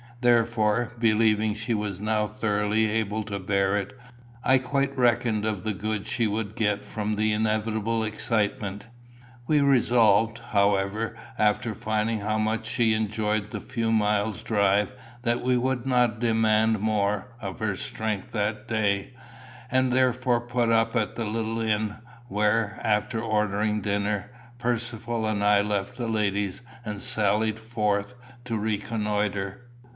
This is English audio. Therefore, believing she was now thoroughly able to bear it, I quite reckoned of the good she would get from the inevitable excitement. We resolved, however, after finding how much she enjoyed the few miles' drive, that we would not demand more, of her strength that day, and therefore put up at the little inn, where, after ordering dinner, Percivale and I left the ladies, and sallied forth to reconnoitre.